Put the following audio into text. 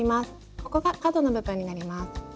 ここが角の部分になります。